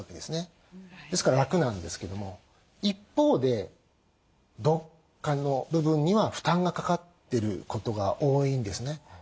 ですから楽なんですけども一方でどっかの部分には負担がかかってることが多いんですね。